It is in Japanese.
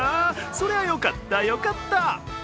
それはよかった、よかった。